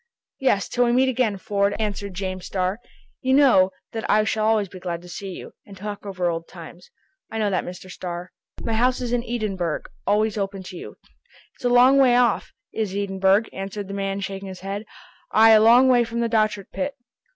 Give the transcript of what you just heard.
"Yes, till we meet again. Ford!" answered James Starr. "You know that I shall be always glad to see you, and talk over old times." "I know that, Mr. Starr." "My house in Edinburgh is always open to you." "It's a long way off, is Edinburgh!" answered the man shaking his head. "Ay, a long way from the Dochart pit."